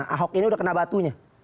ahok ini udah kena batunya